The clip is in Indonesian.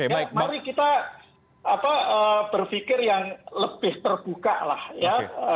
ya mari kita berpikir yang lebih terbuka lah ya